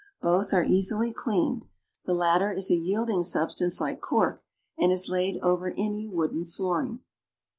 Both are easily cleaned. The latter is a yielding substance like cork, and is laid over any wooden flooring.